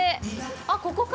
あ、ここか。